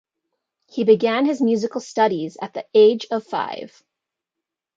He began his musical studies at the age of five.